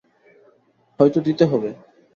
হয়তো দিতে হবে।